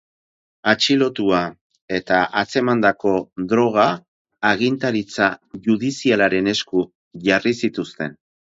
Atxilotua eta atzemandako droga agintaritza judizialaren esku jarri zituzten.